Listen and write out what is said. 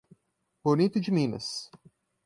Bonito de Minas